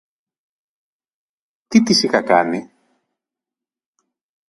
Τι της είχα κάνει;